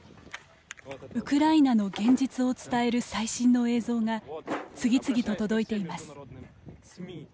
ウクライナの現実を伝える最新の映像が次々と届いています。